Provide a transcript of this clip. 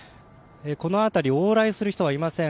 この辺り、往来する人はいません。